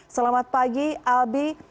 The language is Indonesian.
selamat pagi albi